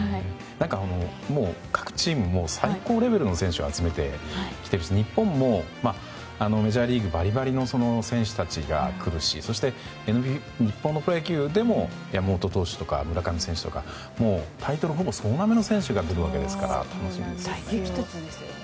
各チームも最高レベルの選手を集めてきているし日本もメジャーリーグバリバリの選手たちが来るしそして、日本のプロ野球でも村上選手とかタイトル総なめの選手が出るわけですから楽しみですね。